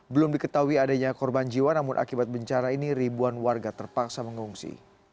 belum diketahui adanya korban jiwa namun akibat bencana ini ribuan warga terpaksa mengungsi